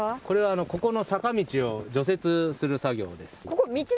これはここの坂道を除雪する作業です。